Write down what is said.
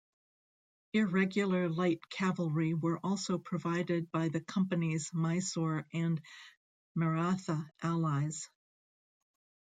Irregular light cavalry were also provided by the Company's Mysore and Maratha allies.